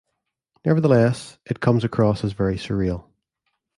Nevertheless, it comes across as very surreal.